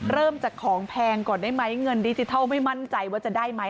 เริ่มจากของแพงก่อนได้ไหมเงินดิจิทัลไม่มั่นใจว่าจะได้ไหม